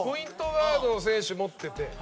ガードの選手持ってて。